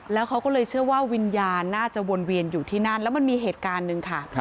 แล้วเขาก็เลยเชื่อว่าวิญญาณน่าจะวนเวียนอยู่ที่นั่นแล้วมันมีเหตุการณ์หนึ่งค่ะ